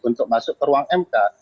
untuk masuk ke ruang mk